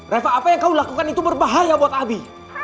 reva apa yang kau lakukan itu berbahaya buat abi